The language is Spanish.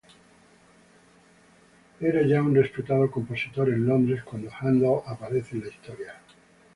Era ya un respetado compositor en Londres cuando Händel aparece en la historia.